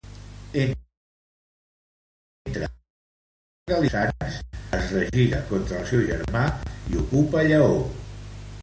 Entre ambdós conquisten Galícia, però Sanç es regira contra el seu germà i ocupa Lleó.